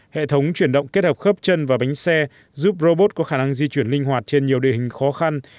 hệ thống chuyển động kết hợp khớp chân và bánh xe giúp robot có khả năng di chuyển linh hoạt trên nhiều địa hình khó khăn